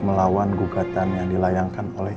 melawan gugatan yang dilayangkan oleh